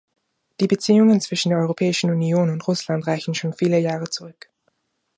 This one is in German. Die Beziehungen zwischen der Europäischen Union und Russland reichen schon viele Jahre zurück.